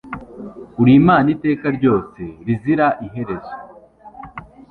uri Imana iteka ryose rizira iherezo